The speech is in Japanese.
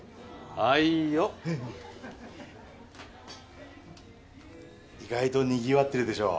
はいよ意外とにぎわってるでしょ